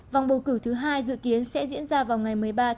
vòng bầu cử thứ hai dự kiến sẽ diễn ra trong lúc chín h ba mươi